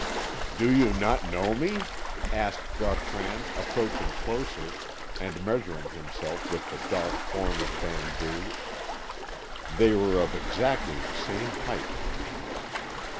"Do you not know me?" asked Gautran, approaching closer, and measuring himself with the dark form of Vanbrugh. They were of exactly the same height.